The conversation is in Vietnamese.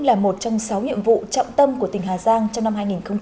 là một trong sáu nhiệm vụ trọng tâm của tỉnh hà giang trong năm hai nghìn một mươi năm